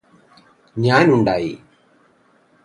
ഞാനുണ്ടായി